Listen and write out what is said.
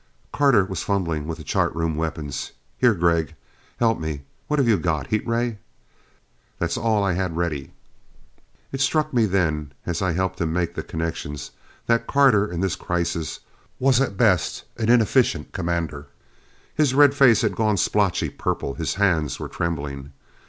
Carter was fumbling with the chart room weapons. "Here, Gregg. Help me. What have you got? Heat ray? That's all I had ready." It struck me then as I helped him make the connections that Carter in this crisis was at best an inefficient commander. His red face had gone splotchy purple; his hands were trembling.